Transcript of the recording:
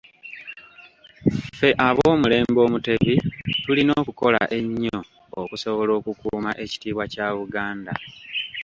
Ffe ab’omulembe Omutebi tulina okukola ennyo okusobola okukuuma ekitiibwa kya Buganda.